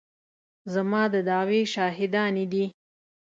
زما د دعوې شاهدانې دي.